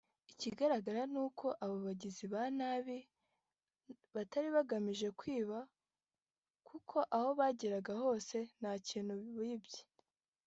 Ikigaragara ni uko abo bagizi na nabi batari bagamije kwiba kuko aho bageze hose nta kintu bibye